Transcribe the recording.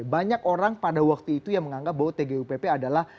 banyak orang pada waktu itu yang menganggap bahwa tgupp adalah